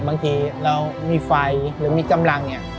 บางทีเรามีไฟหรือมีกำลังเนี่ย